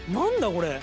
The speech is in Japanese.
これ。